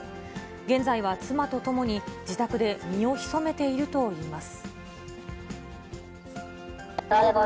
現在は妻と共に自宅で身を潜めているといいます。